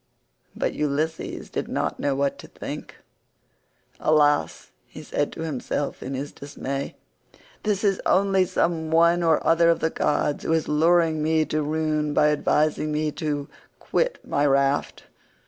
But Ulysses did not know what to think. "Alas," he said to himself in his dismay, "this is only some one or other of the gods who is luring me to ruin by advising me to quit my raft.